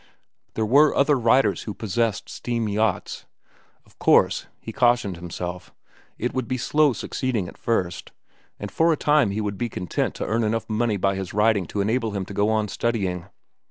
There were other writers who possessed steam yachts. Of course, he cautioned himself, it would be slow succeeding at first, and for a time he would be content to earn enough money by his writing to enable him to go on studying.